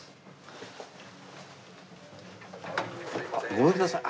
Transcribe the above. ごめんください。